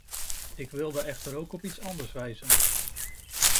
Ik wilde echter ook op iets anders wijzen.